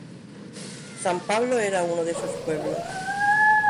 San Pablo era uno de esos pueblos.